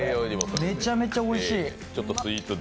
めちゃめちゃおいしい。